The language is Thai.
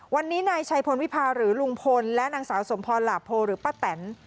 วันนี้นายชัยพลวิพาหรือลุงพลและนางสาวสมพรหลาโพหรือป้าแตน